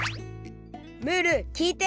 ムールきいて！